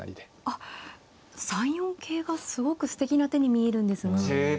あっ３四桂がすごくすてきな手に見えるんですが。